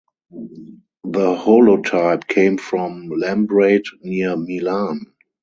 The holotype came from Lambrate near Milan.